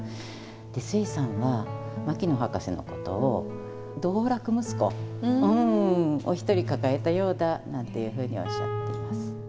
で壽衛さんは牧野博士のことを道楽息子を一人抱えたようだなんていうふうにおっしゃっています。